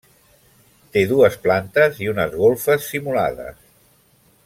Té dues plantes i unes golfes simulades.